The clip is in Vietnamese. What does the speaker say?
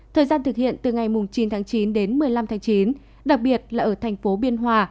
thời gian thực hiện từ ngày chín tháng chín đến một mươi năm tháng chín đặc biệt là ở thành phố biên hòa